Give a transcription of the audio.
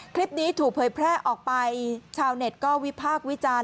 คลิปนี้ถูกเผยแพร่ออกไปชาวเน็ตก็วิพากษ์วิจารณ์